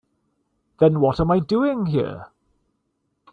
Then what am I doing here?